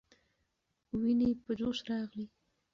ويني په جوش راغلې.